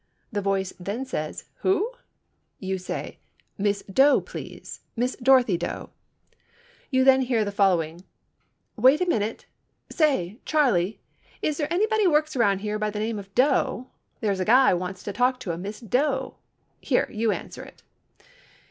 The voice then says, "Who?" You say, "Miss Doe, please—Miss Dorothy Doe." You then hear the following, "Wait a minute. Say, Charlie, is they anybody works around here by the name of Doe? There's a guy wants to talk to a Miss Doe. Here—you answer it."